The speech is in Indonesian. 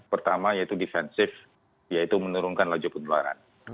pertama yaitu defensif yaitu menurunkan laju penularan